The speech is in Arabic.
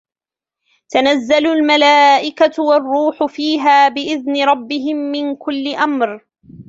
تَنَزَّلُ الْمَلَائِكَةُ وَالرُّوحُ فِيهَا بِإِذْنِ رَبِّهِمْ مِنْ كُلِّ أَمْرٍ